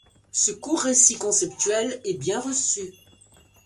Ce court récit conceptuel est bien reçu.